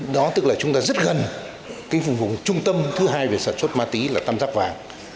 đó tức là chúng ta rất gần cái vùng vùng trung tâm thứ hai về sản xuất ma túy là tam giác vàng